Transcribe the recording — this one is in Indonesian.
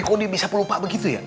kok dia bisa pelupa begitu ya